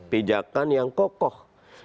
pijakan yang kokoh